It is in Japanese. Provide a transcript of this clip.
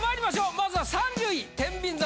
まずは３０位。